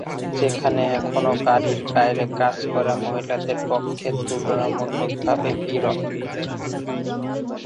যেখানে এখনও বাড়ির বাইরে কাজ করা মহিলাদের পক্ষে তুলনামূলকভাবে বিরল।